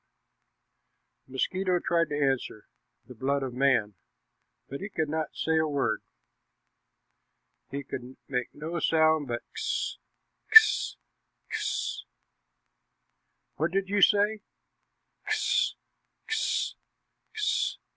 The mosquito tried to answer, "The blood of man," but he could not say a word. He could make no sound but "Kss ksss ksssss!" "What do you say?" "Kss ksss ksssss!"